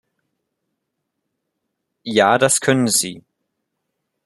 Ja, das können sie.